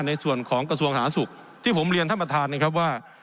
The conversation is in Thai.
ในส่วนของกระทรวงสาธารณสุขที่ผมเรียนท่านประธานนะครับว่า